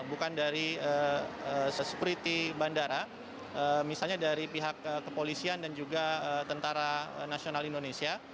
bandara misalnya dari pihak kepolisian dan juga tentara nasional indonesia